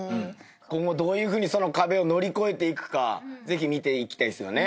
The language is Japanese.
今後どういうふうにその壁を乗り越えていくかぜひ見ていきたいっすよね。